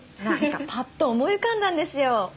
なんかパッと思い浮かんだんですよ。